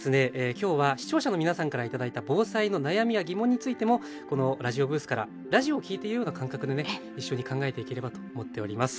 今日は視聴者の皆さんから頂いた防災の悩みや疑問についてもこのラジオブースからラジオを聴いているような感覚でね一緒に考えていければと思っております。